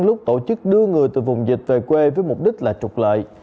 lúc tổ chức đưa người từ vùng dịch về quê với mục đích là trục lợi